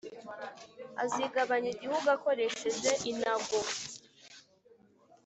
azigabanya igihugu akoresheje inago,